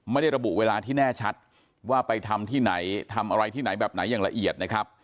ไม่ได้ระบุเวลาที่แน่ชัดว่าไปทำที่ไหนทำอะไรที่ไหนแบบไหนอย่างละเอียดนะครับ